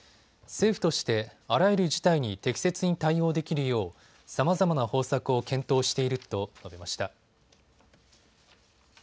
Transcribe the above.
政府として、あらゆる事態に適切に対応できるようさまざまな方策を検討していると述べました。